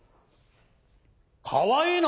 かわいいな。